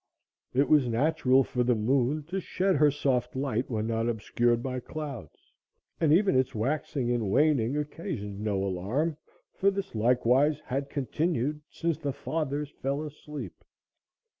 It was natural for the moon to shed her soft light when not obscured by clouds, and even its waxing and waning occasioned no alarm, for this, likewise, had continued "since the fathers fell asleep."